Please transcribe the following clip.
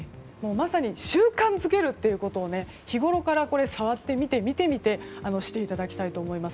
まさに習慣づけることを日ごろから触ってみて見てみてしていただきたいと思います。